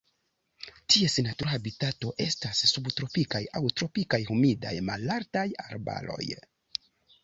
Ties natura habitato estas subtropikaj aŭ tropikaj humidaj malaltaj arbaroj.